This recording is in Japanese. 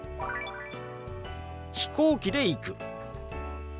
「飛行機で行く」。